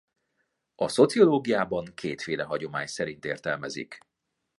A szociológiában kétféle hagyomány szerint értelmezik.